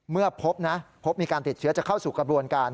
เมื่อพบนะพบมีการติดเชื้อจะเข้าสู่กระบวนการ